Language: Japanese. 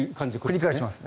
繰り返します。